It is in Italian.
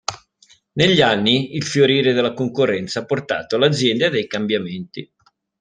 Negli anni, il fiorire della concorrenza ha portato l'azienda a dei cambiamenti.